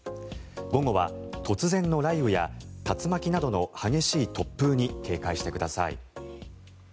午後は突然の雷雨や竜巻などの激しい突風に警戒してください。